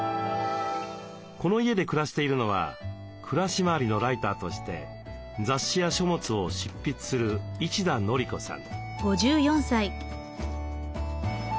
この家で暮らしているのは暮らし周りのライターとして雑誌や書物を執筆する一田憲子さん。